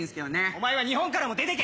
お前は日本からも出てけ！